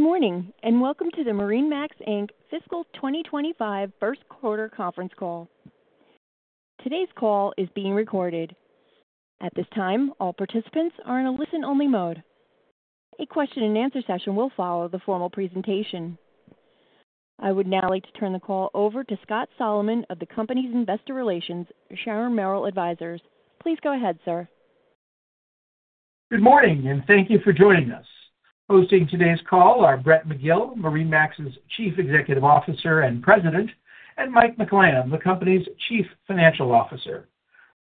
Good morning and welcome to the MarineMax, Inc Fiscal 2025 First Quarter Conference Call. Today's call is being recorded. At this time, all participants are in a listen-only mode. A question-and-answer session will follow the formal presentation. I would now like to turn the call over to Scott Solomon of the company's Investor Relations, Sharon Merrill Advisors. Please go ahead, sir. Good morning and thank you for joining us. Hosting today's call are Brett McGill, MarineMax's Chief Executive Officer and President, and Mike McLamb, the company's Chief Financial Officer.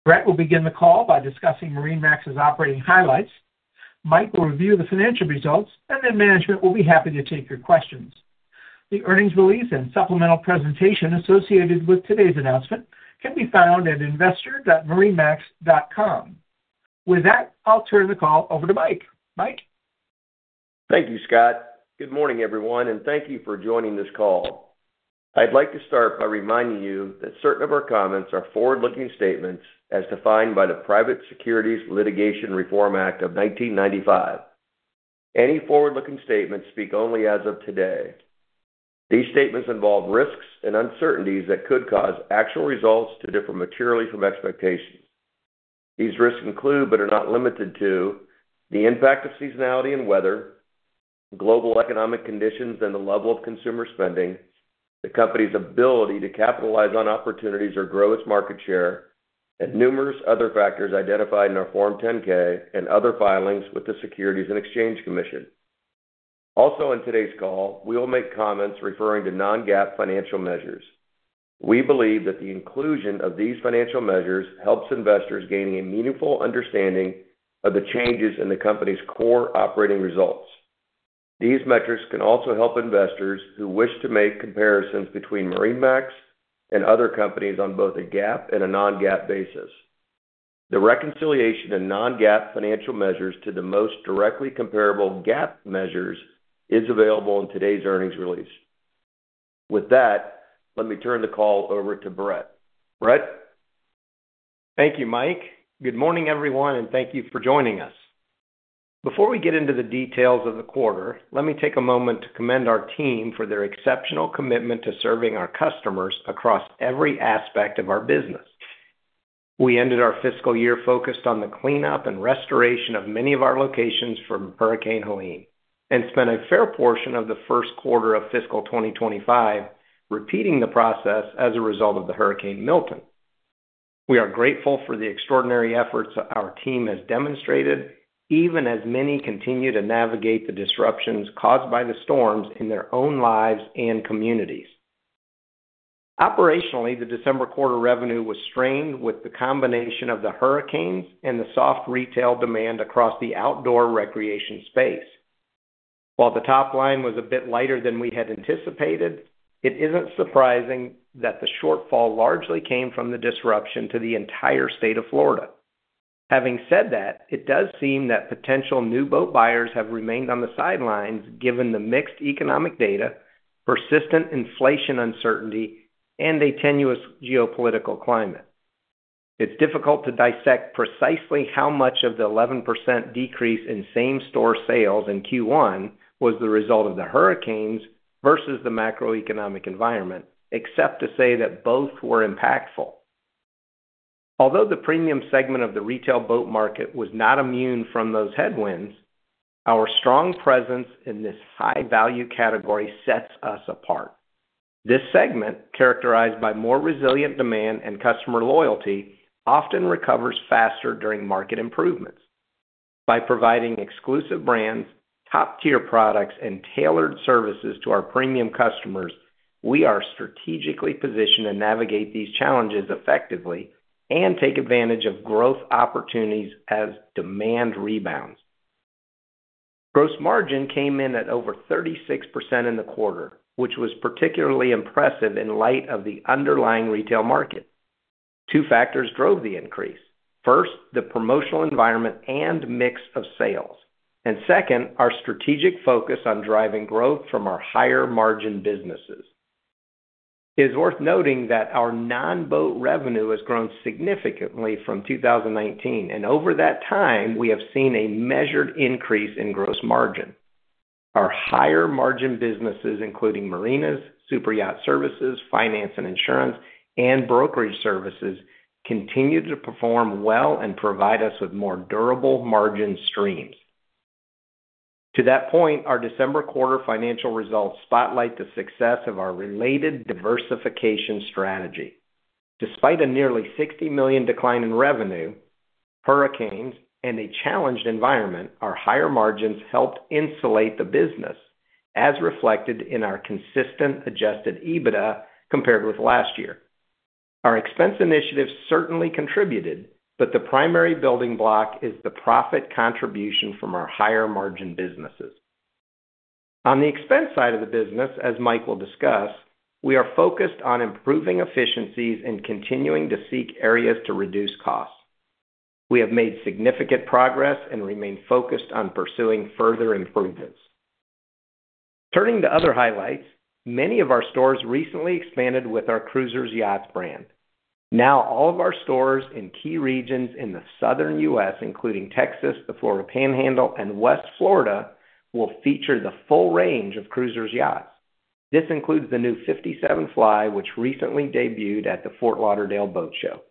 Brett will begin the call by discussing MarineMax's operating highlights. Mike will review the financial results, and then management will be happy to take your questions. The earnings release and supplemental presentation associated with today's announcement can be found at investor.marinemax.com. With that, I'll turn the call over to Mike. Mike. Thank you, Scott. Good morning, everyone, and thank you for joining this call. I'd like to start by reminding you that certain of our comments are forward-looking statements as defined by the Private Securities Litigation Reform Act of 1995. Any forward-looking statements speak only as of today. These statements involve risks and uncertainties that could cause actual results to differ materially from expectations. These risks include, but are not limited to, the impact of seasonality and weather, global economic conditions and the level of consumer spending, the company's ability to capitalize on opportunities or grow its market share, and numerous other factors identified in our Form 10-K and other filings with the Securities and Exchange Commission. Also, on today's call, we will make comments referring to non-GAAP financial measures. We believe that the inclusion of these financial measures helps investors gain a meaningful understanding of the changes in the company's core operating results. These metrics can also help investors who wish to make comparisons between MarineMax and other companies on both a GAAP and a non-GAAP basis. The reconciliation of non-GAAP financial measures to the most directly comparable GAAP measures is available in today's earnings release. With that, let me turn the call over to Brett. Brett. Thank you, Mike. Good morning, everyone, and thank you for joining us. Before we get into the details of the quarter, let me take a moment to commend our team for their exceptional commitment to serving our customers across every aspect of our business. We ended our fiscal year focused on the cleanup and restoration of many of our locations from Hurricane Helene and spent a fair portion of the first quarter of fiscal 2025 repeating the process as a result of the Hurricane Milton. We are grateful for the extraordinary efforts our team has demonstrated, even as many continue to navigate the disruptions caused by the storms in their own lives and communities. Operationally, the December quarter revenue was strained with the combination of the hurricanes and the soft retail demand across the outdoor recreation space. While the top line was a bit lighter than we had anticipated, it isn't surprising that the shortfall largely came from the disruption to the entire state of Florida. Having said that, it does seem that potential new boat buyers have remained on the sidelines given the mixed economic data, persistent inflation uncertainty, and a tenuous geopolitical climate. It's difficult to dissect precisely how much of the 11% decrease in same-store sales in Q1 was the result of the hurricanes versus the macroeconomic environment, except to say that both were impactful. Although the premium segment of the retail boat market was not immune from those headwinds, our strong presence in this high-value category sets us apart. This segment, characterized by more resilient demand and customer loyalty, often recovers faster during market improvements. By providing exclusive brands, top-tier products, and tailored services to our premium customers, we are strategically positioned to navigate these challenges effectively and take advantage of growth opportunities as demand rebounds. Gross margin came in at over 36% in the quarter, which was particularly impressive in light of the underlying retail market. Two factors drove the increase: first, the promotional environment and mix of sales, and second, our strategic focus on driving growth from our higher-margin businesses. It is worth noting that our non-boat revenue has grown significantly from 2019, and over that time, we have seen a measured increase in gross margin. Our higher-margin businesses, including marinas, superyacht services, finance and insurance, and brokerage services, continue to perform well and provide us with more durable margin streams. To that point, our December quarter financial results spotlight the success of our related diversification strategy. Despite a nearly $60 million decline in revenue, hurricanes, and a challenged environment, our higher margins helped insulate the business, as reflected in our consistent Adjusted EBITDA compared with last year. Our expense initiatives certainly contributed, but the primary building block is the profit contribution from our higher-margin businesses. On the expense side of the business, as Mike will discuss, we are focused on improving efficiencies and continuing to seek areas to reduce costs. We have made significant progress and remain focused on pursuing further improvements. Turning to other highlights, many of our stores recently expanded with our Cruisers Yachts brand. Now, all of our stores in key regions in the southern U.S., including Texas, the Florida Panhandle, and West Florida, will feature the full range of Cruisers Yachts. This includes the new 57 Fly, which recently debuted at the Fort Lauderdale Boat Show.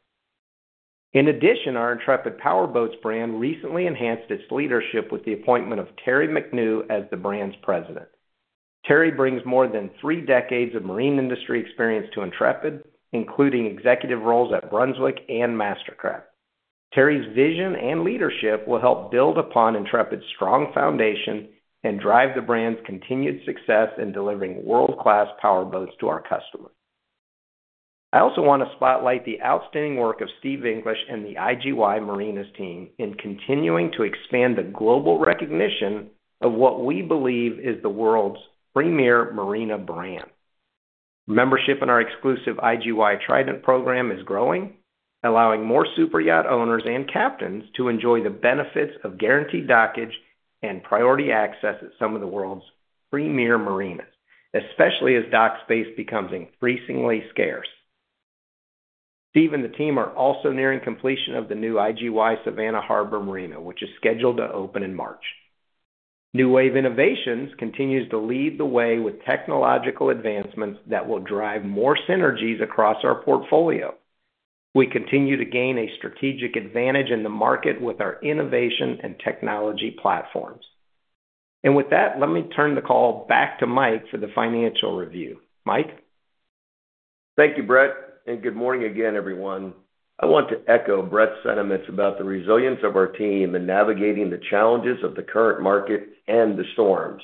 In addition, our Intrepid Powerboats brand recently enhanced its leadership with the appointment of Terry McNew as the brand's president. Terry brings more than three decades of marine industry experience to Intrepid, including executive roles at Brunswick and MasterCraft. Terry's vision and leadership will help build upon Intrepid's strong foundation and drive the brand's continued success in delivering world-class power boats to our customers. I also want to spotlight the outstanding work of Steve English and the IGY Marinas team in continuing to expand the global recognition of what we believe is the world's premier marina brand. Membership in our exclusive IGY Trident program is growing, allowing more superyacht owners and captains to enjoy the benefits of guaranteed dockage and priority access at some of the world's premier marinas, especially as dock space becomes increasingly scarce. Steve and the team are also nearing completion of the new IGY Savannah Harbor Marina, which is scheduled to open in March. New Wave Innovations continues to lead the way with technological advancements that will drive more synergies across our portfolio. We continue to gain a strategic advantage in the market with our innovation and technology platforms, and with that, let me turn the call back to Mike for the financial review. Mike. Thank you, Brett, and good morning again, everyone. I want to echo Brett's sentiments about the resilience of our team in navigating the challenges of the current market and the storms.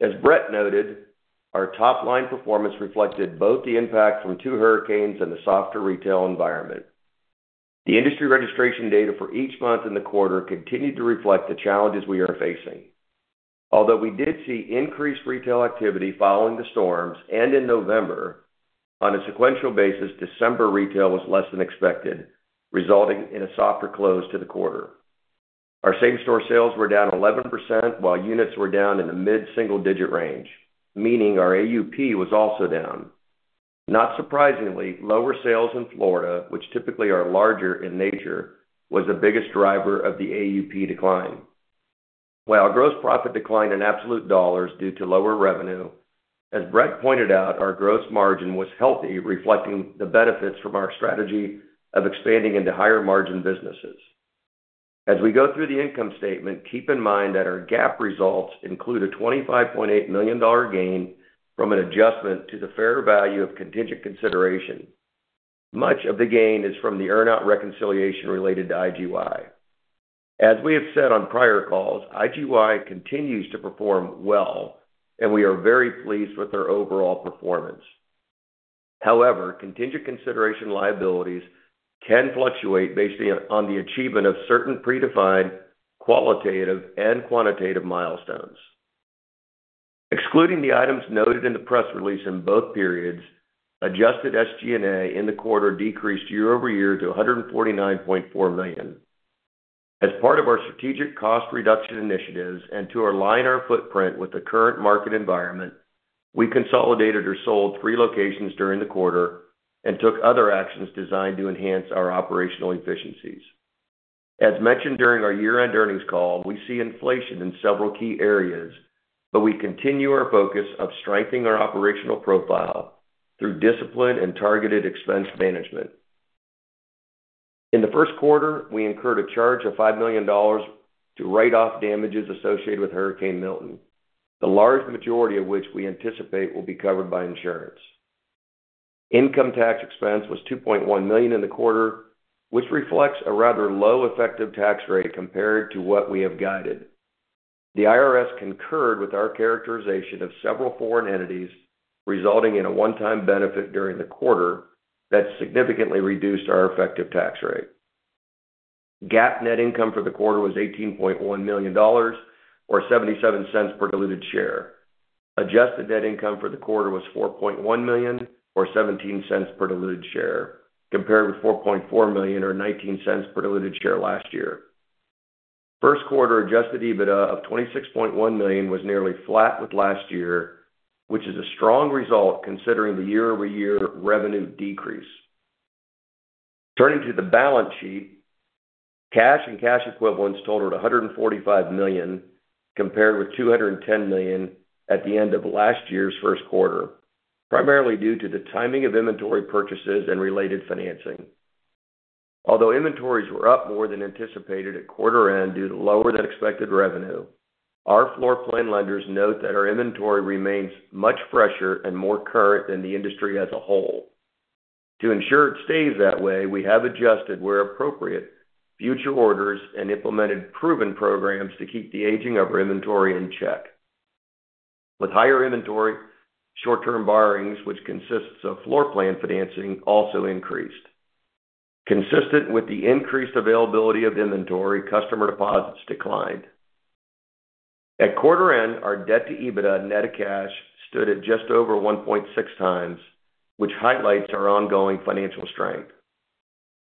As Brett noted, our top-line performance reflected both the impact from two hurricanes and the softer retail environment. The industry registration data for each month in the quarter continued to reflect the challenges we are facing. Although we did see increased retail activity following the storms and in November, on a sequential basis, December retail was less than expected, resulting in a softer close to the quarter. Our same-store sales were down 11%, while units were down in the mid-single-digit range, meaning our AUP was also down. Not surprisingly, lower sales in Florida, which typically are larger in nature, was the biggest driver of the AUP decline. While gross profit declined in absolute dollars due to lower revenue, as Brett pointed out, our gross margin was healthy, reflecting the benefits from our strategy of expanding into higher-margin businesses. As we go through the income statement, keep in mind that our GAAP results include a $25.8 million gain from an adjustment to the fair value of contingent consideration. Much of the gain is from the earnout reconciliation related to IGY. As we have said on prior calls, IGY continues to perform well, and we are very pleased with their overall performance. However, contingent consideration liabilities can fluctuate based on the achievement of certain predefined qualitative and quantitative milestones. Excluding the items noted in the press release in both periods, adjusted SG&A in the quarter decreased year-over-year to $149.4 million. As part of our strategic cost reduction initiatives and to align our footprint with the current market environment, we consolidated or sold three locations during the quarter and took other actions designed to enhance our operational efficiencies. As mentioned during our year-end earnings call, we see inflation in several key areas, but we continue our focus of strengthening our operational profile through disciplined and targeted expense management. In the first quarter, we incurred a charge of $5 million to write off damages associated with Hurricane Milton, the large majority of which we anticipate will be covered by insurance. Income tax expense was $2.1 million in the quarter, which reflects a rather low effective tax rate compared to what we have guided. The IRS concurred with our characterization of several foreign entities, resulting in a one-time benefit during the quarter that significantly reduced our effective tax rate. GAAP net income for the quarter was $18.1 million, or $0.77 per diluted share. Adjusted net income for the quarter was $4.1 million, or $0.17 per diluted share, compared with $4.4 million, or $0.19 per diluted share last year. First quarter adjusted EBITDA of $26.1 million was nearly flat with last year, which is a strong result considering the year-over-year revenue decrease. Turning to the balance sheet, cash and cash equivalents totaled $145 million, compared with $210 million at the end of last year's first quarter, primarily due to the timing of inventory purchases and related financing. Although inventories were up more than anticipated at quarter-end due to lower-than-expected revenue, our floor plan lenders note that our inventory remains much fresher and more current than the industry as a whole. To ensure it stays that way, we have adjusted where appropriate future orders and implemented proven programs to keep the aging of our inventory in check. With higher inventory, short-term borrowings, which consists of floor plan financing, also increased. Consistent with the increased availability of inventory, customer deposits declined. At quarter-end, our debt-to-EBITDA net-to-cash stood at just over 1.6x, which highlights our ongoing financial strength.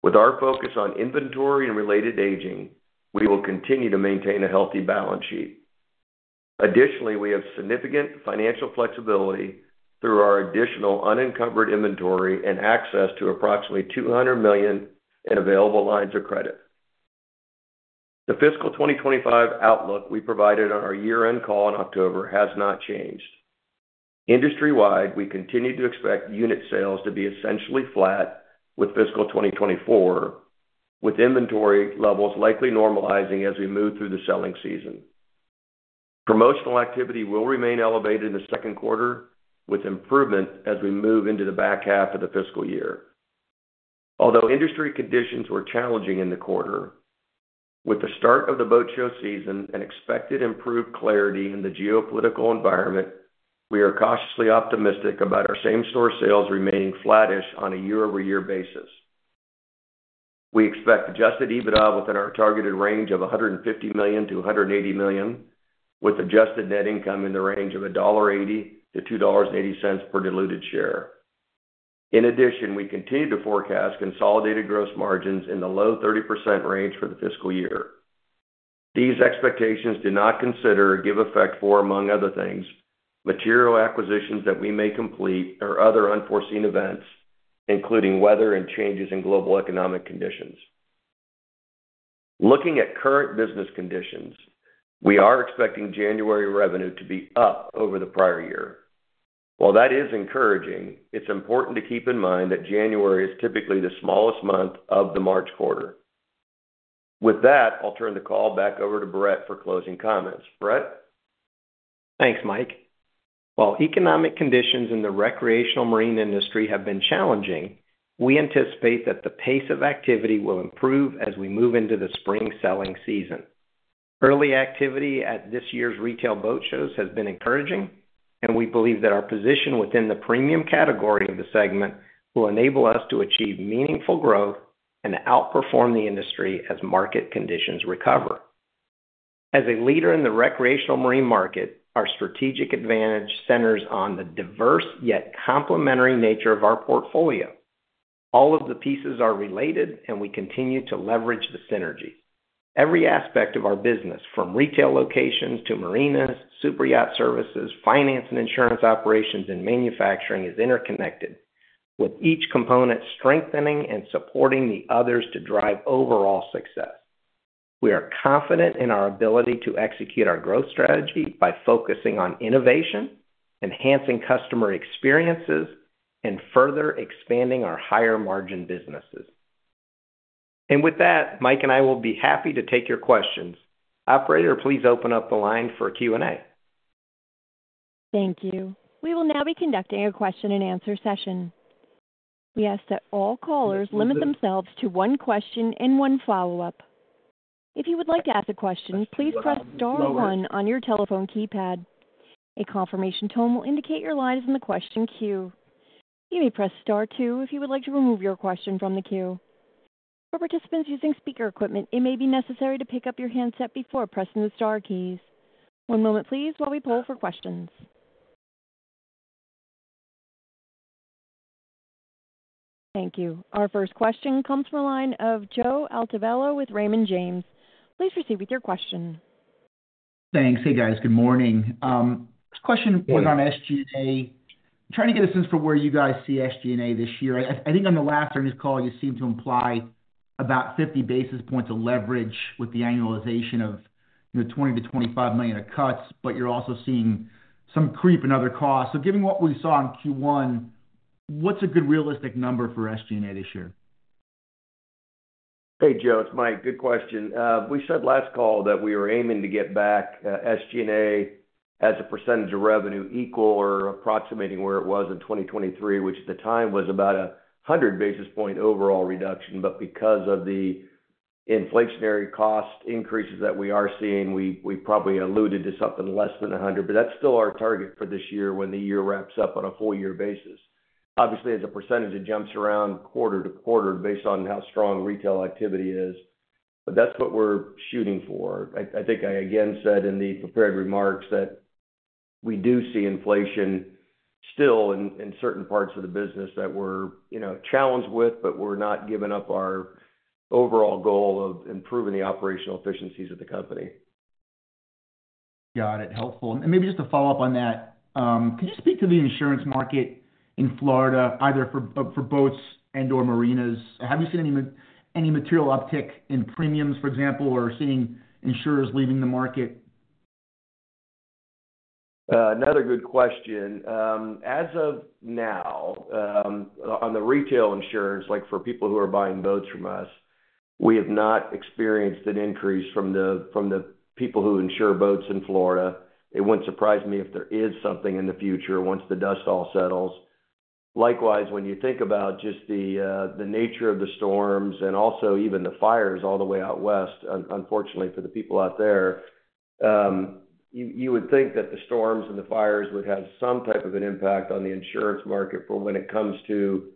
With our focus on inventory and related aging, we will continue to maintain a healthy balance sheet. Additionally, we have significant financial flexibility through our additional unencumbered inventory and access to approximately $200 million in available lines of credit. The fiscal 2025 outlook we provided on our year-end call in October has not changed. Industry-wide, we continue to expect unit sales to be essentially flat with fiscal 2024, with inventory levels likely normalizing as we move through the selling season. Promotional activity will remain elevated in the second quarter, with improvement as we move into the back half of the fiscal year. Although industry conditions were challenging in the quarter, with the start of the boat show season and expected improved clarity in the geopolitical environment, we are cautiously optimistic about our same-store sales remaining flattish on a year-over-year basis. We expect Adjusted EBITDA within our targeted range of $150 million-$180 million, with adjusted net income in the range of $1.80-$2.80 per diluted share. In addition, we continue to forecast consolidated gross margins in the low 30% range for the fiscal year. These expectations do not consider or give effect to, among other things, material acquisitions that we may complete or other unforeseen events, including weather and changes in global economic conditions. Looking at current business conditions, we are expecting January revenue to be up over the prior year. While that is encouraging, it's important to keep in mind that January is typically the smallest month of the March quarter. With that, I'll turn the call back over to Brett for closing comments. Brett? Thanks, Mike. While economic conditions in the recreational marine industry have been challenging, we anticipate that the pace of activity will improve as we move into the spring selling season. Early activity at this year's retail boat shows has been encouraging, and we believe that our position within the premium category of the segment will enable us to achieve meaningful growth and outperform the industry as market conditions recover. As a leader in the recreational marine market, our strategic advantage centers on the diverse yet complementary nature of our portfolio. All of the pieces are related, and we continue to leverage the synergies. Every aspect of our business, from retail locations to marinas, superyacht services, finance and insurance operations, and manufacturing, is interconnected, with each component strengthening and supporting the others to drive overall success. We are confident in our ability to execute our growth strategy by focusing on innovation, enhancing customer experiences, and further expanding our higher-margin businesses and with that, Mike and I will be happy to take your questions. Operator, please open up the line for Q&A. Thank you. We will now be conducting a question-and-answer session. We ask that all callers limit themselves to one question and one follow-up. If you would like to ask a question, please press star one on your telephone keypad. A confirmation tone will indicate you're live in the question queue. You may press star two if you would like to remove your question from the queue. For participants using speaker equipment, it may be necessary to pick up your handset before pressing the star keys. One moment, please, while we pull for questions. Thank you. Our first question comes from a line of Joe Altobello with Raymond James. Please proceed with your question. Thanks. Hey, guys. Good morning. First question was on SG&A. Trying to get a sense for where you guys see SG&A this year. I think on the last earnings call, you seemed to imply about 50 basis points of leverage with the annualization of $20 million-$25 million of cuts, but you're also seeing some creep in other costs. So given what we saw in Q1, what's a good realistic number for SG&A this year? Hey, Joe. It's Mike. Good question. We said last call that we were aiming to get back SG&A as a percentage of revenue equal or approximating where it was in 2023, which at the time was about a 100 basis point overall reduction. But because of the inflationary cost increases that we are seeing, we probably alluded to something less than 100. But that's still our target for this year when the year wraps up on a full-year basis. Obviously, as a percentage, it jumps around quarter to quarter based on how strong retail activity is. But that's what we're shooting for. I think I again said in the prepared remarks that we do see inflation still in certain parts of the business that we're challenged with, but we're not giving up our overall goal of improving the operational efficiencies of the company. Got it. Helpful. And maybe just to follow up on that, could you speak to the insurance market in Florida, either for boats and/or marinas? Have you seen any material uptick in premiums, for example, or seeing insurers leaving the market? Another good question. As of now, on the retail insurance, like for people who are buying boats from us, we have not experienced an increase from the people who insure boats in Florida. It wouldn't surprise me if there is something in the future once the dust all settles. Likewise, when you think about just the nature of the storms and also even the fires all the way out west, unfortunately for the people out there, you would think that the storms and the fires would have some type of an impact on the insurance market for when it comes to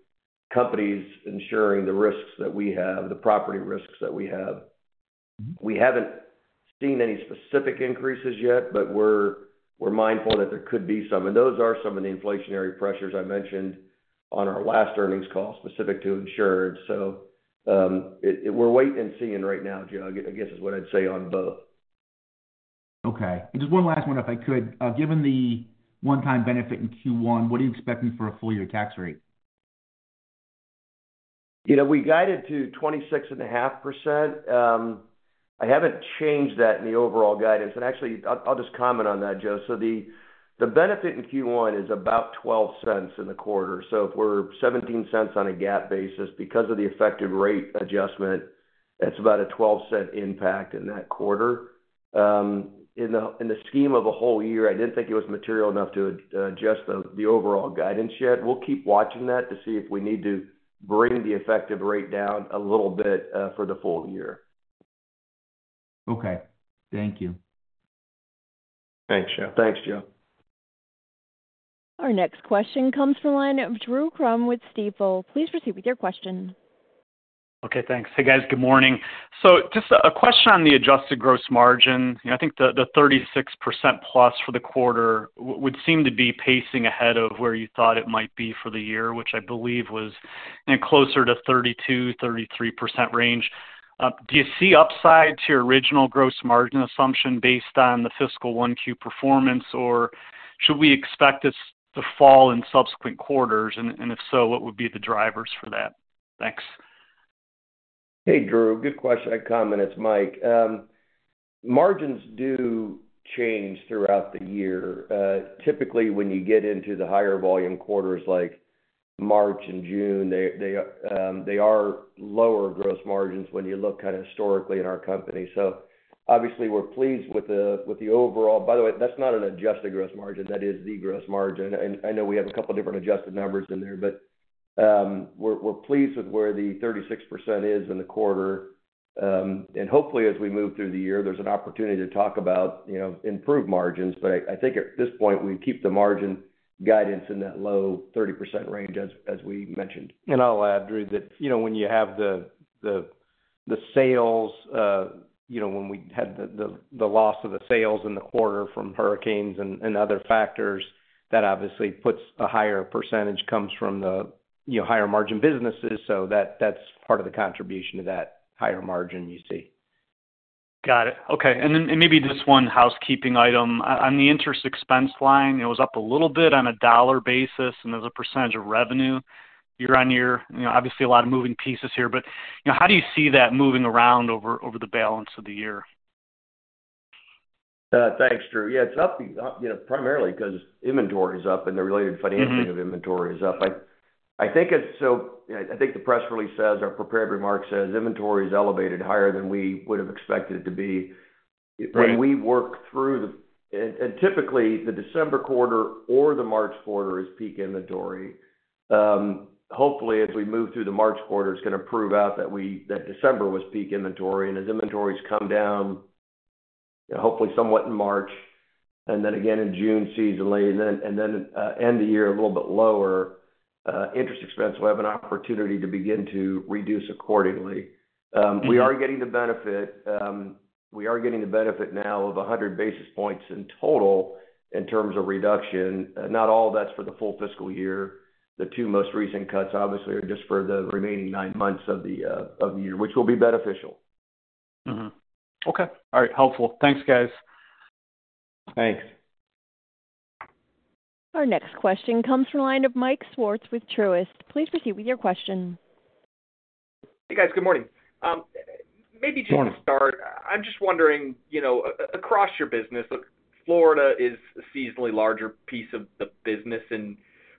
companies insuring the risks that we have, the property risks that we have. We haven't seen any specific increases yet, but we're mindful that there could be some. And those are some of the inflationary pressures I mentioned on our last earnings call specific to insurance. So we're waiting and seeing right now, Joe. I guess is what I'd say on both. Okay. Just one last one, if I could. Given the one-time benefit in Q1, what are you expecting for a full-year tax rate? We guided to 26.5%. I haven't changed that in the overall guidance. And actually, I'll just comment on that, Joe. So the benefit in Q1 is about $0.12 in the quarter. So if we're $0.17 on a GAAP basis because of the effective rate adjustment, that's about a $0.12 impact in that quarter. In the scheme of a whole year, I didn't think it was material enough to adjust the overall guidance yet. We'll keep watching that to see if we need to bring the effective rate down a little bit for the full year. Okay. Thank you. Thanks, Joe. Thanks, Joe. Our next question comes from a line of Drew Crum with Stifel. Please proceed with your question. Okay. Thanks. Hey, guys. Good morning. So just a question on the adjusted gross margin. I think the 36% plus for the quarter would seem to be pacing ahead of where you thought it might be for the year, which I believe was closer to 32%-33% range. Do you see upside to your original gross margin assumption based on the fiscal Q1 performance, or should we expect this to fall in subsequent quarters? And if so, what would be the drivers for that? Thanks. Hey, Drew. Good question. I'll comment as Mike. Margins do change throughout the year. Typically, when you get into the higher volume quarters like March and June, they are lower gross margins when you look kind of historically at our company. So obviously, we're pleased with the overall. By the way, that's not an adjusted gross margin. That is the gross margin. And I know we have a couple of different adjusted numbers in there, but we're pleased with where the 36% is in the quarter. And hopefully, as we move through the year, there's an opportunity to talk about improved margins. But I think at this point, we keep the margin guidance in that low 30% range, as we mentioned. And I'll add, Drew, that when you have the sales, when we had the loss of the sales in the quarter from hurricanes and other factors, that obviously puts a higher percentage comes from the higher margin businesses. So that's part of the contribution to that higher margin you see. Got it. Okay. And then maybe just one housekeeping item. On the interest expense line, it was up a little bit on a dollar basis and as a percentage of revenue. You know, you're obviously a lot of moving pieces here, but how do you see that moving around over the balance of the year? Thanks, Drew. Yeah, it's up primarily because inventory is up and the related financing of inventory is up. I think the press release says, our prepared remark says, "Inventory is elevated higher than we would have expected it to be." And we work through, and typically, the December quarter or the March quarter is peak inventory. Hopefully, as we move through the March quarter, it's going to prove out that December was peak inventory. As inventories come down, hopefully somewhat in March, and then again in June seasonally, and then end the year a little bit lower, interest expense will have an opportunity to begin to reduce accordingly. We are getting the benefit. We are getting the benefit now of 100 basis points in total in terms of reduction. Not all that's for the full fiscal year. The two most recent cuts, obviously, are just for the remaining nine months of the year, which will be beneficial. Okay. All right. Helpful. Thanks, guys. Thanks. Our next question comes from a line of Mike Swartz with Truist. Please proceed with your question. Hey, guys. Good morning. Maybe just to start, I'm just wondering, across your business, Florida is a seasonally larger piece of the business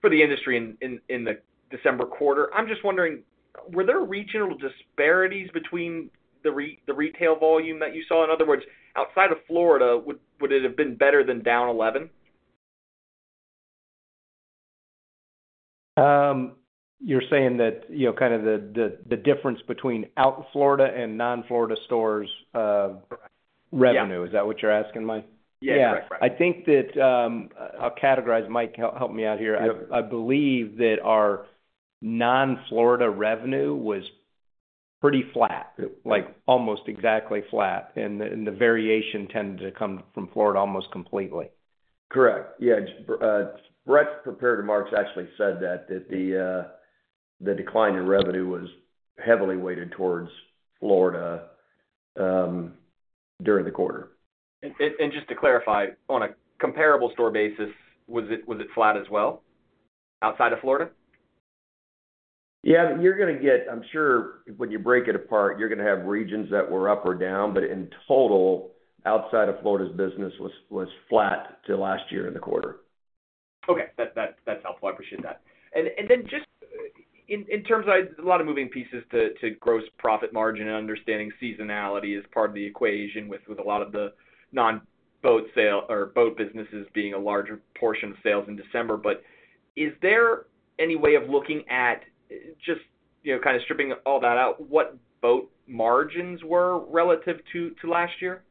for the industry in the December quarter. I'm just wondering, were there regional disparities between the retail volume that you saw? In other words, outside of Florida, would it have been better than down 11? You're saying that kind of the difference between out-Florida and non-Florida stores revenue? Is that what you're asking, Mike? Yeah. Yeah. I think that I'll categorize Mike to help me out here. I believe that our non-Florida revenue was pretty flat, almost exactly flat, and the variation tended to come from Florida almost completely. Correct. Yeah. Brett's prepared remarks actually said that the decline in revenue was heavily weighted towards Florida during the quarter. Just to clarify, on a comparable store basis, was it flat as well outside of Florida? Yeah. You're going to get, I'm sure when you break it apart, you're going to have regions that were up or down. But in total, outside of Florida's business was flat to last year in the quarter. Okay. That's helpful. I appreciate that. And then just in terms of a lot of moving pieces to gross profit margin and understanding seasonality as part of the equation with a lot of the non-boat sale or boat businesses being a larger portion of sales in December. But is there any way of looking at just kind of stripping all that out, what boat margins were relative to last year?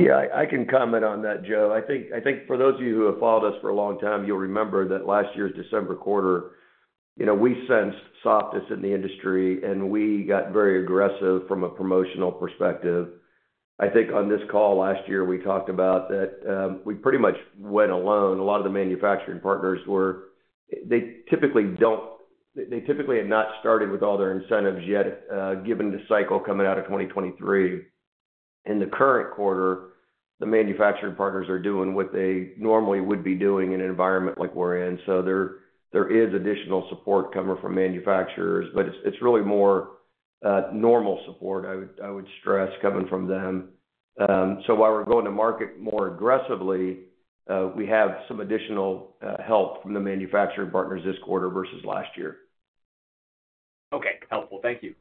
Yeah. I can comment on that, Joe. I think for those of you who have followed us for a long time, you'll remember that last year's December quarter, we sensed softness in the industry, and we got very aggressive from a promotional perspective. I think on this call last year, we talked about that we pretty much went alone. A lot of the manufacturing partners, they typically have not started with all their incentives yet given the cycle coming out of 2023. In the current quarter, the manufacturing partners are doing what they normally would be doing in an environment like we're in. So there is additional support coming from manufacturers, but it's really more normal support, I would stress, coming from them. So while we're going to market more aggressively, we have some additional help from the manufacturing partners this quarter versus last year. Okay. Helpful. Thank you.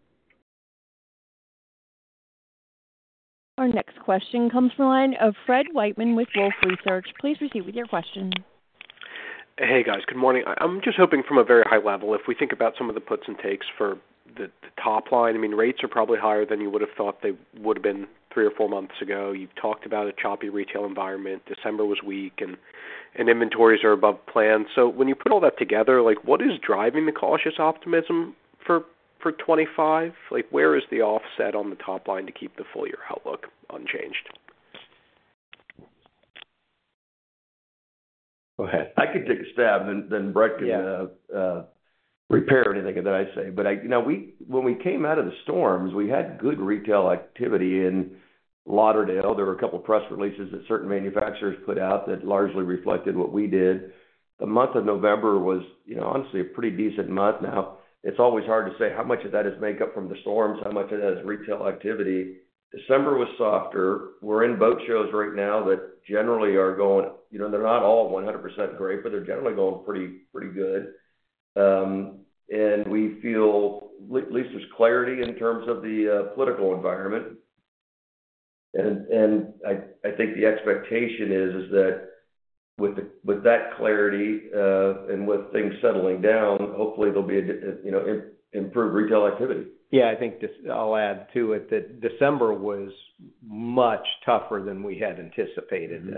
Our next question comes from a line of Fred Wightman with Wolfe Research. Please proceed with your question. Hey, guys. Good morning. I'm just hoping from a very high level, if we think about some of the puts and takes for the top line, I mean, rates are probably higher than you would have thought they would have been three or four months ago. You've talked about a choppy retail environment. December was weak, and inventories are above plan. So when you put all that together, what is driving the cautious optimism for 2025? Where is the offset on the top line to keep the full-year outlook unchanged? Go ahead. I could take a stab, and then Brett can repair anything that I say. But when we came out of the storms, we had good retail activity in Lauderdale. There were a couple of press releases that certain manufacturers put out that largely reflected what we did. The month of November was honestly a pretty decent month. Now, it's always hard to say how much of that is makeup from the storms, how much of that is retail activity. December was softer. We're in boat shows right now that generally are going. They're not all 100% great, but they're generally going pretty good. And we feel at least there's clarity in terms of the political environment. And I think the expectation is that with that clarity and with things settling down, hopefully there'll be improved retail activity. Yeah. I think I'll add to it that December was much tougher than we had anticipated.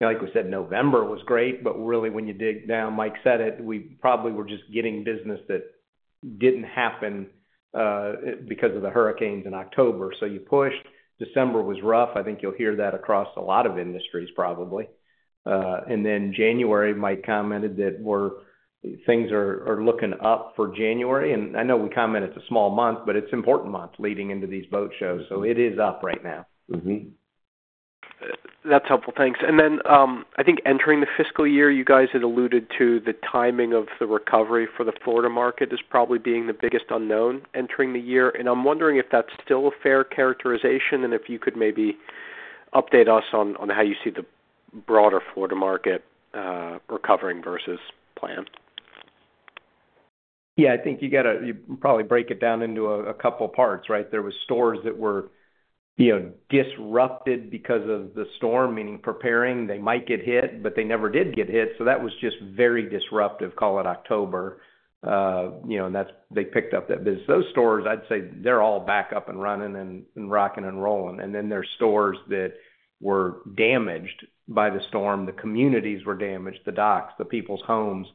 Like we said, November was great. But really, when you dig down, Mike said it, we probably were just getting business that didn't happen because of the hurricanes in October. So you pushed. December was rough. I think you'll hear that across a lot of industries, probably. And then January, Mike commented that things are looking up for January. And I know we comment it's a small month, but it's an important month leading into these boat shows. So it is up right now. That's helpful. Thanks. And then I think entering the fiscal year, you guys had alluded to the timing of the recovery for the Florida market as probably being the biggest unknown entering the year. And I'm wondering if that's still a fair characterization and if you could maybe update us on how you see the broader Florida market recovering versus plan? Yeah. I think you got to probably break it down into a couple of parts, right? There were stores that were disrupted because of the storm, meaning preparing. They might get hit, but they never did get hit. So that was just very disruptive, call it October. And they picked up that business. Those stores, I'd say they're all back up and running and rocking and rolling. And then there are stores that were damaged by the storm. The communities were damaged, the docks, the people's homes.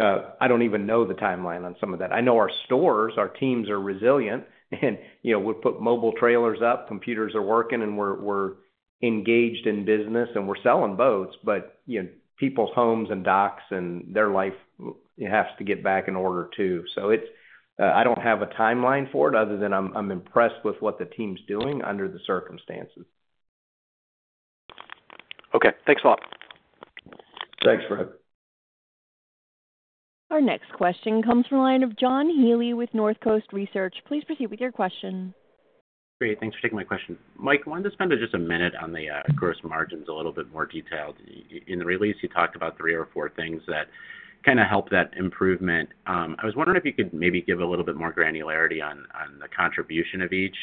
I don't even know the timeline on some of that. I know our stores, our teams are resilient. And we put mobile trailers up. Computers are working, and we're engaged in business, and we're selling boats. But people's homes and docks and their life has to get back in order too. So I don't have a timeline for it other than I'm impressed with what the team's doing under the circumstances. Okay. Thanks a lot. Thanks, Brett. Our next question comes from a line of John Healy with North Coast Research. Please proceed with your question. Great. Thanks for taking my question. Mike, I wanted to spend just a minute on the gross margins a little bit more detailed. In the release, you talked about three or four things that kind of help that improvement. I was wondering if you could maybe give a little bit more granularity on the contribution of each.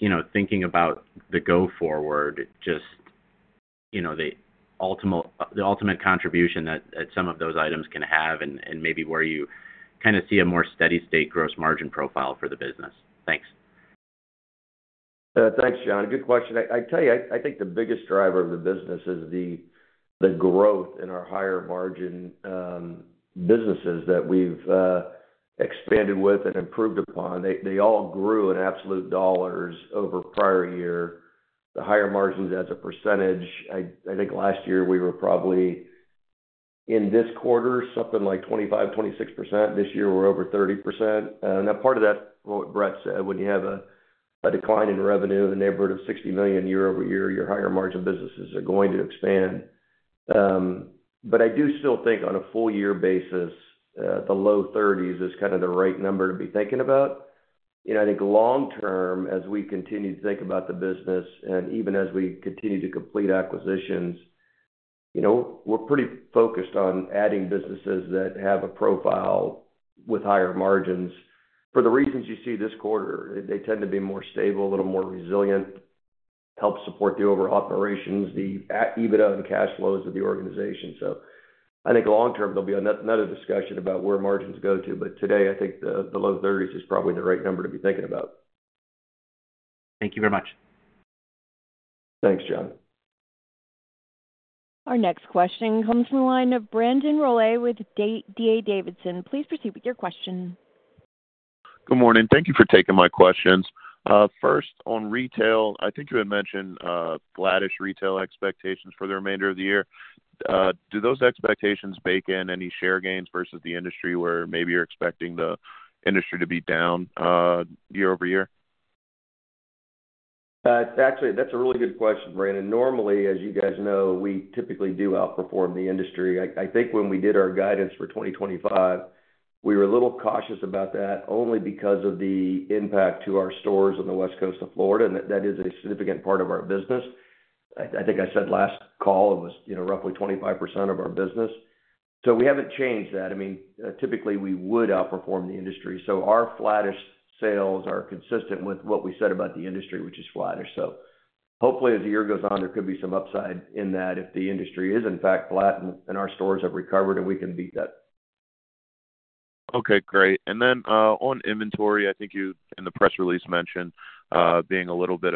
And then thinking about the go-forward, just the ultimate contribution that some of those items can have and maybe where you kind of see a more steady-state gross margin profile for the business. Thanks. Thanks, John. Good question. I tell you, I think the biggest driver of the business is the growth in our higher margin businesses that we've expanded with and improved upon. They all grew in absolute dollars over prior year. The higher margins as a percentage, I think last year we were probably in this quarter something like 25%-26%. This year, we're over 30%. Now, part of that, what Brett said, when you have a decline in revenue in the neighborhood of $60 million year-over-year, your higher margin businesses are going to expand. But I do still think on a full-year basis, the low 30s is kind of the right number to be thinking about. I think long-term, as we continue to think about the business and even as we continue to complete acquisitions, we're pretty focused on adding businesses that have a profile with higher margins. For the reasons you see this quarter, they tend to be more stable, a little more resilient, help support the overall operations, the EBITDA and cash flows of the organization. So I think long-term, there'll be another discussion about where margins go to. But today, I think the low 30s is probably the right number to be thinking about. Thank you very much. Thanks, John. Our next question comes from a line of Brandon Rollé with D.A. Davidson. Please proceed with your question. Good morning. Thank you for taking my questions. First, on retail, I think you had mentioned flattish retail expectations for the remainder of the year. Do those expectations bake in any share gains versus the industry where maybe you're expecting the industry to be down year-over-year? Actually, that's a really good question, Brandon. Normally, as you guys know, we typically do outperform the industry. I think when we did our guidance for 2025, we were a little cautious about that only because of the impact to our stores on the West Coast of Florida, and that is a significant part of our business. I think I said last call it was roughly 25% of our business. So we haven't changed that. I mean, typically, we would outperform the industry. So our flattish sales are consistent with what we said about the industry, which is flattish. So hopefully, as the year goes on, there could be some upside in that if the industry is in fact flat and our stores have recovered and we can beat that. Okay. Great. And then on inventory, I think you in the press release mentioned being a little bit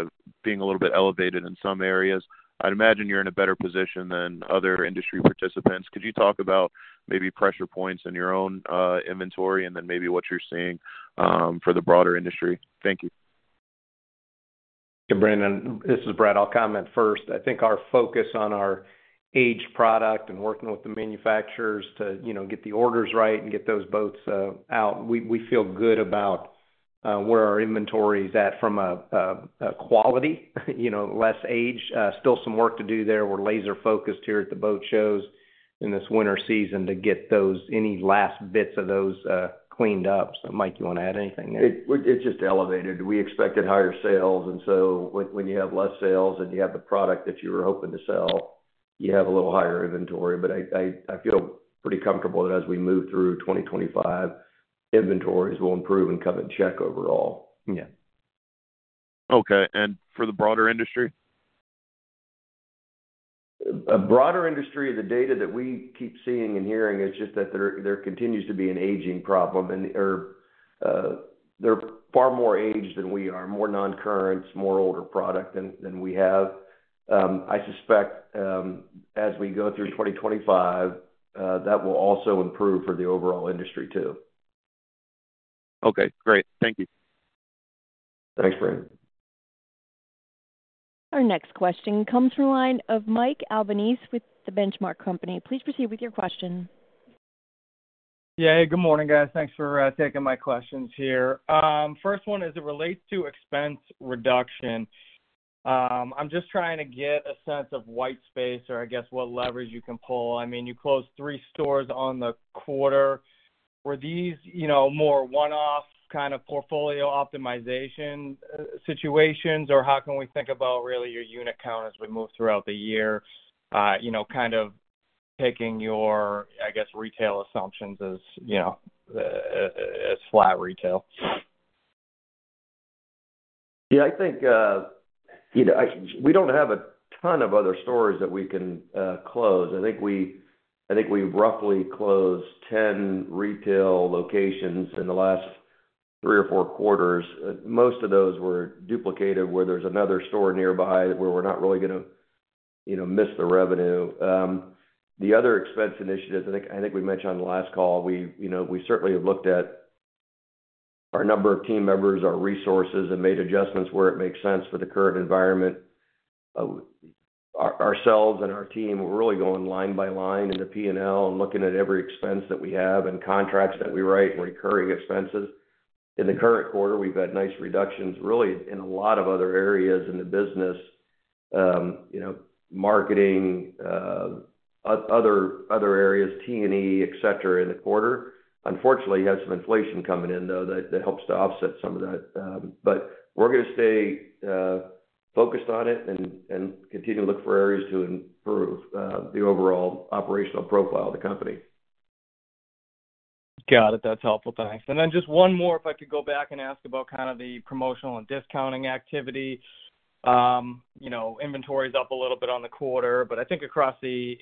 elevated in some areas. I'd imagine you're in a better position than other industry participants. Could you talk about maybe pressure points in your own inventory and then maybe what you're seeing for the broader industry? Thank you. Yeah. Brandon, this is Brett. I'll comment first. I think our focus on our aged product and working with the manufacturers to get the orders right and get those boats out, we feel good about where our inventory is at from a quality, less aged. Still some work to do there. We're laser-focused here at the boat shows in this winter season to get any last bits of those cleaned up. So Mike, you want to add anything there? It's just elevated. We expected higher sales, and so when you have less sales and you have the product that you were hoping to sell, you have a little higher inventory, but I feel pretty comfortable that as we move through 2025, inventories will improve and come in check overall. Yeah. Okay. And for the broader industry? A broader industry, the data that we keep seeing and hearing is just that there continues to be an aging problem. They're far more aged than we are, more non-currents, more older product than we have. I suspect as we go through 2025, that will also improve for the overall industry too. Okay. Great. Thank you. Thanks, Brandon. Our next question comes from a line of Mike Albanese with The Benchmark Company. Please proceed with your question. Yeah. Hey, good morning, guys. Thanks for taking my questions here. First one as it relates to expense reduction. I'm just trying to get a sense of white space or I guess what levers you can pull. I mean, you closed three stores on the quarter. Were these more one-off kind of portfolio optimization situations, or how can we think about really your unit count as we move throughout the year, kind of picking your, I guess, retail assumptions as flat retail? Yeah. I think we don't have a ton of other stores that we can close. I think we roughly closed 10 retail locations in the last three or four quarters. Most of those were duplicated where there's another store nearby where we're not really going to miss the revenue. The other expense initiatives, I think we mentioned on the last call, we certainly have looked at our number of team members, our resources, and made adjustments where it makes sense for the current environment. Ourselves and our team are really going line by line in the P&L and looking at every expense that we have and contracts that we write and recurring expenses. In the current quarter, we've had nice reductions really in a lot of other areas in the business, marketing, other areas, T&E, etc., in the quarter. Unfortunately, you have some inflation coming in, though, that helps to offset some of that. But we're going to stay focused on it and continue to look for areas to improve the overall operational profile of the company. Got it. That's helpful. Thanks. And then just one more, if I could go back and ask about kind of the promotional and discounting activity. Inventory's up a little bit on the quarter, but I think across the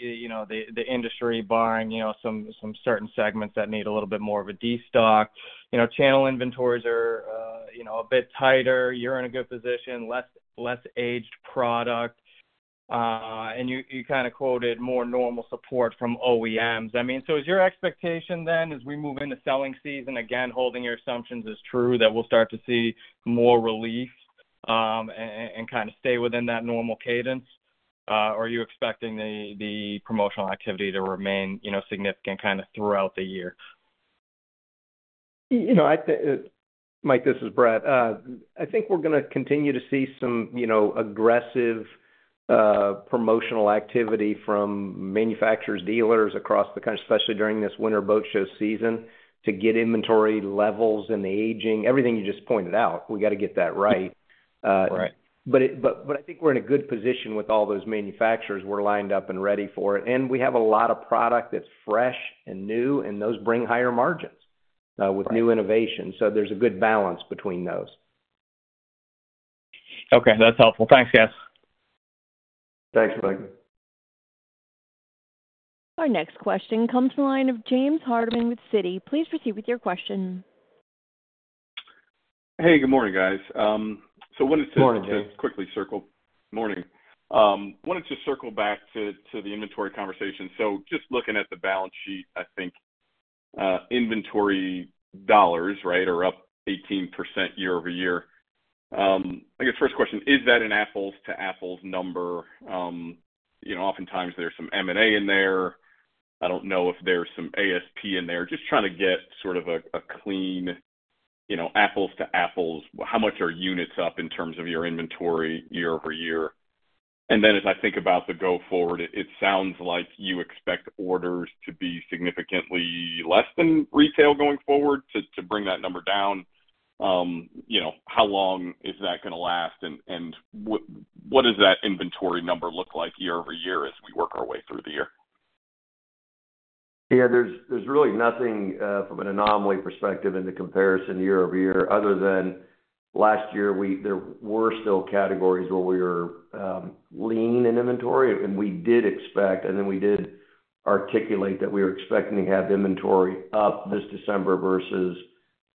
industry, barring some certain segments that need a little bit more of a destock, channel inventories are a bit tighter. You're in a good position, less aged product. And you kind of quoted more normal support from OEMs. I mean, so is your expectation then as we move into selling season, again, holding your assumptions as true that we'll start to see more relief and kind of stay within that normal cadence, or are you expecting the promotional activity to remain significant kind of throughout the year? Mike, this is Brett. I think we're going to continue to see some aggressive promotional activity from manufacturers, dealers across the country, especially during this winter boat show season to get inventory levels and the aging, everything you just pointed out. We got to get that right. But I think we're in a good position with all those manufacturers. We're lined up and ready for it. And we have a lot of product that's fresh and new, and those bring higher margins with new innovation. So there's a good balance between those. Okay. That's helpful. Thanks, guys. Thanks, Brandon. Our next question comes from a line of James Hardiman with Citi. Please proceed with your question. Hey, good morning, guys. So I wanted to. Morning, James. I wanted to circle back to the inventory conversation. So just looking at the balance sheet, I think inventory dollars, right, are up 18% year-over-year. I guess first question, is that an apples-to-apples number? Oftentimes, there's some M&A in there. I don't know if there's some ASP in there. Just trying to get sort of a clean apples-to-apples. How much are units up in terms of your inventory year-over-year? And then as I think about the go-forward, it sounds like you expect orders to be significantly less than retail going forward to bring that number down. How long is that going to last? And what does that inventory number look like year-over-year as we work our way through the year? Yeah. There's really nothing from an anomaly perspective in the comparison year-over-year other than last year, there were still categories where we were lean in inventory, and we did expect, and then we did articulate that we were expecting to have inventory up this December versus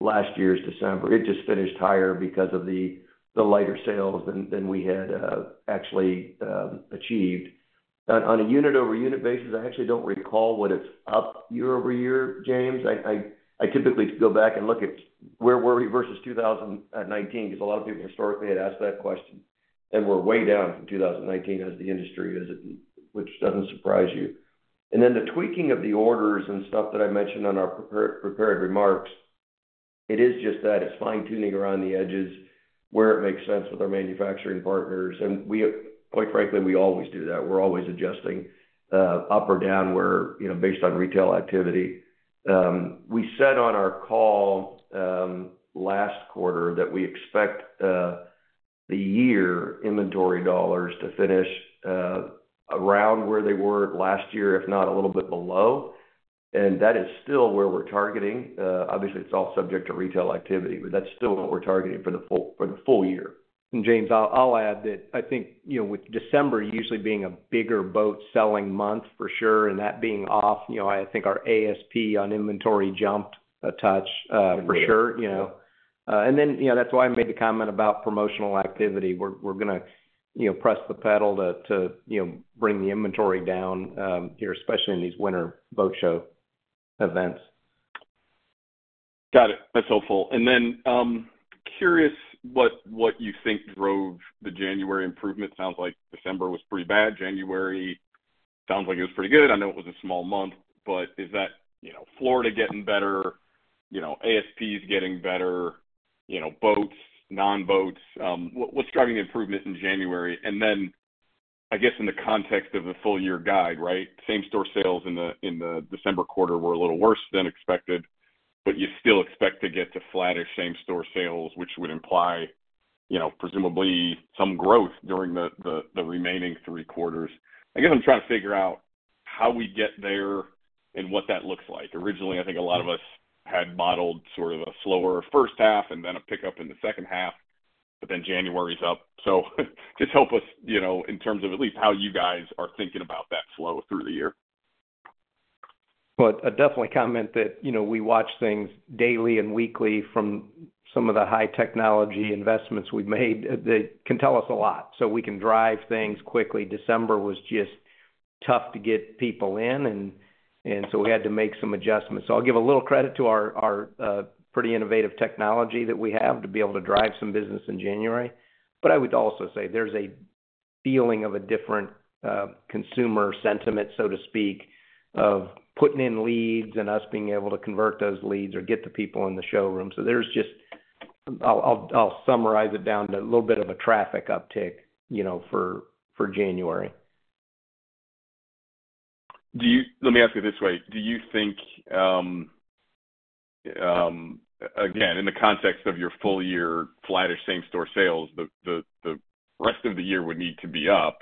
last year's December. It just finished higher because of the lighter sales than we had actually achieved. On a unit-over-unit basis, I actually don't recall what it's up year-over-year, James. I typically go back and look at where were we versus 2019 because a lot of people historically had asked that question. And we're way down from 2019 as the industry is, which doesn't surprise you, and then the tweaking of the orders and stuff that I mentioned on our prepared remarks, it is just that it's fine-tuning around the edges where it makes sense with our manufacturing partners. Quite frankly, we always do that. We're always adjusting up or down based on retail activity. We said on our call last quarter that we expect the year inventory dollars to finish around where they were last year, if not a little bit below. That is still where we're targeting. Obviously, it's all subject to retail activity, but that's still what we're targeting for the full year. And James, I'll add that I think with December usually being a bigger boat-selling month for sure and that being off, I think our ASP on inventory jumped a touch for sure. And then that's why I made the comment about promotional activity. We're going to press the pedal to bring the inventory down here, especially in these winter boat show events. Got it. That's helpful, and then curious what you think drove the January improvement. Sounds like December was pretty bad. January sounds like it was pretty good. I know it was a small month, but is that Florida getting better? ASPs getting better? Boats, non-boats? What's driving the improvement in January, and then I guess in the context of the full-year guide, right, same-store sales in the December quarter were a little worse than expected, but you still expect to get to flattish same-store sales, which would imply presumably some growth during the remaining three quarters. I guess I'm trying to figure out how we get there and what that looks like. Originally, I think a lot of us had modeled sort of a slower first half and then a pickup in the second half, but then January's up. So just help us in terms of at least how you guys are thinking about that flow through the year. But I'd definitely comment that we watch things daily and weekly from some of the high-technology investments we've made. They can tell us a lot. So we can drive things quickly. December was just tough to get people in, and so we had to make some adjustments. So I'll give a little credit to our pretty innovative technology that we have to be able to drive some business in January. But I would also say there's a feeling of a different consumer sentiment, so to speak, of putting in leads and us being able to convert those leads or get the people in the showroom. So there's just. I'll summarize it down to a little bit of a traffic uptick for January. Let me ask it this way. Do you think, again, in the context of your full-year flattish same-store sales, the rest of the year would need to be up,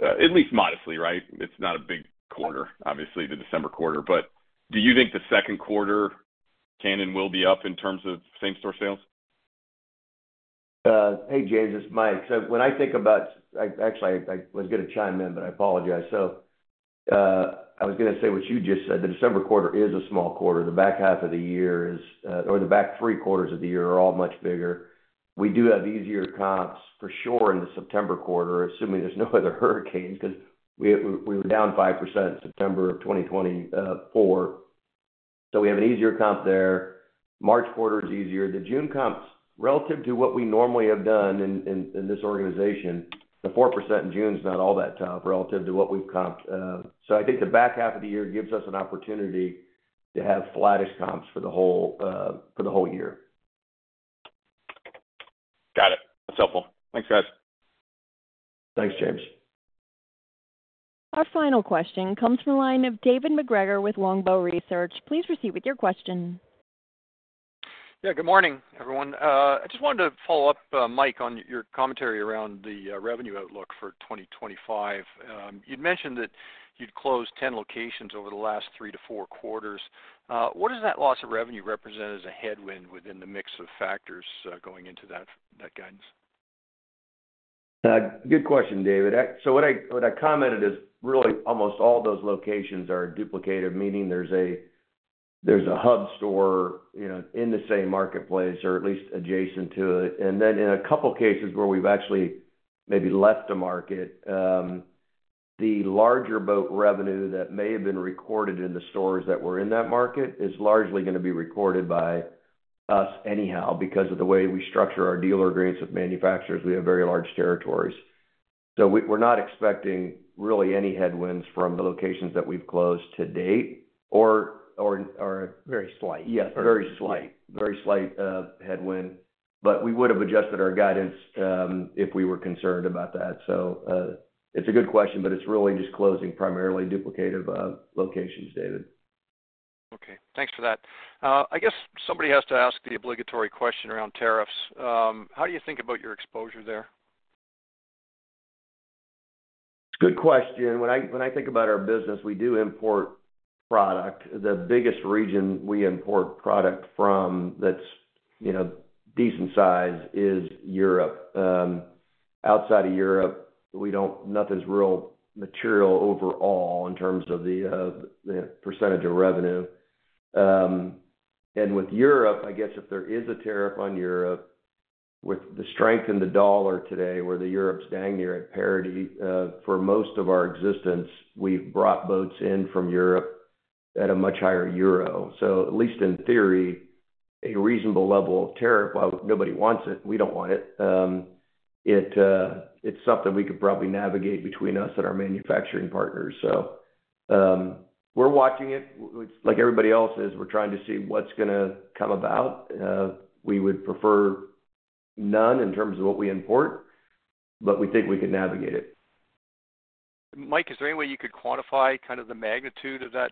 at least modestly, right? It's not a big quarter, obviously, the December quarter. But do you think the second quarter can and will be up in terms of same-store sales? Hey, James, this is Mike. So when I think about actually, I was going to chime in, but I apologize. So I was going to say what you just said, the December quarter is a small quarter. The back half of the year is or the back three quarters of the year are all much bigger. We do have easier comps for sure in the September quarter, assuming there's no other hurricanes because we were down 5% in September of 2024. So we have an easier comp there. March quarter is easier. The June comps, relative to what we normally have done in this organization, the 4% in June is not all that tough relative to what we've comped. So I think the back half of the year gives us an opportunity to have flattish comps for the whole year. Got it. That's helpful. Thanks, guys. Thanks, James. Our final question comes from a line of David MacGregor with Longbow Research. Please proceed with your question. Yeah. Good morning, everyone. I just wanted to follow up, Mike, on your commentary around the revenue outlook for 2025. You'd mentioned that you'd closed 10 locations over the last three to four quarters. What does that loss of revenue represent as a headwind within the mix of factors going into that guidance? Good question, David. So what I commented is really almost all those locations are duplicated, meaning there's a hub store in the same marketplace or at least adjacent to it. And then in a couple of cases where we've actually maybe left the market, the larger boat revenue that may have been recorded in the stores that were in that market is largely going to be recorded by us anyhow because of the way we structure our deal agreements with manufacturers. We have very large territories. So we're not expecting really any headwinds from the locations that we've closed to date or. Very slight. Yes, very slight. Very slight headwind. But we would have adjusted our guidance if we were concerned about that. So it's a good question, but it's really just closing primarily duplicative locations, David. Okay. Thanks for that. I guess somebody has to ask the obligatory question around tariffs. How do you think about your exposure there? It's a good question. When I think about our business, we do import product. The biggest region we import product from that's decent size is Europe. Outside of Europe, nothing's real material overall in terms of the percentage of revenue, and with Europe, I guess if there is a tariff on Europe, with the strength in the dollar today where the euro's dang near at parity for most of our existence, we've brought boats in from Europe at a much higher euro, so at least in theory, a reasonable level of tariff, while nobody wants it, we don't want it. It's something we could probably navigate between us and our manufacturing partners, so we're watching it. Like everybody else is, we're trying to see what's going to come about. We would prefer none in terms of what we import, but we think we can navigate it. Mike, is there any way you could quantify kind of the magnitude of that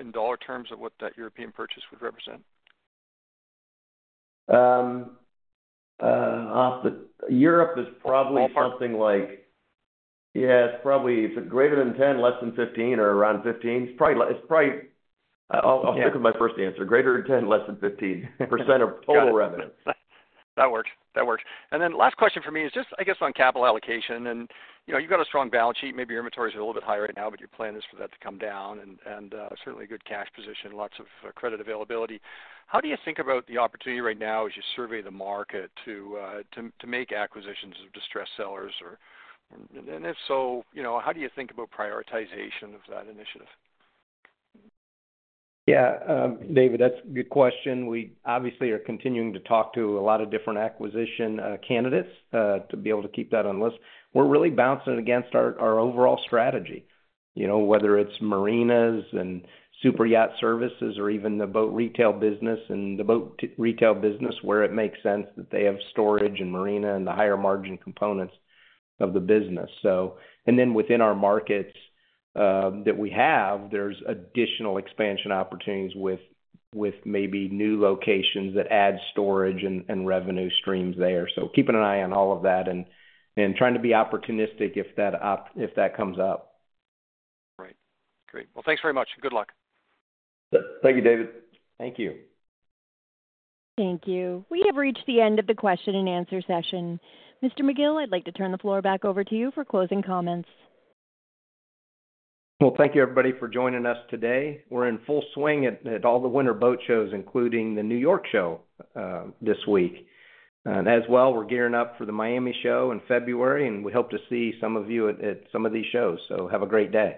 in dollar terms of what that European purchase would represent? Europe is probably something like. Yeah. It's probably greater than 10, less than 15, or around 15. It's probably I'll stick with my first answer. Greater than 10, less than 15% of total revenue. That works. That works, and then last question for me is just, I guess, on capital allocation, and you've got a strong balance sheet. Maybe your inventory is a little bit high right now, but your plan is for that to come down, and certainly a good cash position, lots of credit availability. How do you think about the opportunity right now as you survey the market to make acquisitions of distressed sellers, and if so, how do you think about prioritization of that initiative? Yeah. David, that's a good question. We obviously are continuing to talk to a lot of different acquisition candidates to be able to keep that on the list. We're really bouncing against our overall strategy, whether it's marinas and superyacht services or even the boat retail business and the boat retail business where it makes sense that they have storage and marina and the higher margin components of the business. And then within our markets that we have, there's additional expansion opportunities with maybe new locations that add storage and revenue streams there. So keeping an eye on all of that and trying to be opportunistic if that comes up. Right. Great. Well, thanks very much. Good luck. Thank you, David. Thank you. Thank you. We have reached the end of the question-and-answer session. Mr. McGill, I'd like to turn the floor back over to you for closing comments. Thank you, everybody, for joining us today. We're in full swing at all the winter boat shows, including the New York show this week. As well, we're gearing up for the Miami show in February, and we hope to see some of you at some of these shows. Have a great day.